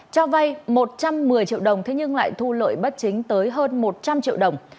cho vay một trăm một mươi triệu đồng thế nhưng lại thu lợi bất chính tới hơn một trăm linh triệu đồng